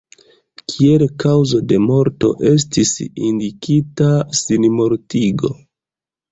Kiel kaŭzo de morto estis indikita sinmortigo.